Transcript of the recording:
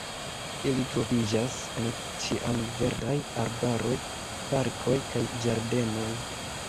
Ili troviĝas en ĉiamverdaj arbaroj, parkoj kaj ĝardenoj.